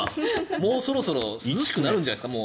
もうそろそろ涼しくなるんじゃないですか。